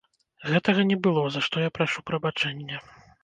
Гэтага не было, за што я прашу прабачэння.